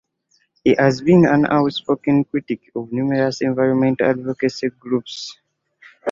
He has been an outspoken critic of numerous environmental advocacy groups.